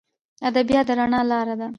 ادبیات د رڼا لار ده.